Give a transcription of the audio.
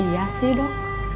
iya sih dok